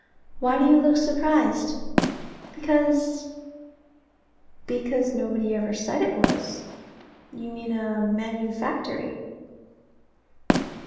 Why do you look surprised? Because because nobody ever said it was. You mean a manufactory.